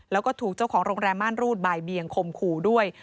แล้วก็ถูกเจ้าของโรงแรมม่านรูดบ่ายเบียงคมขู่ด้วย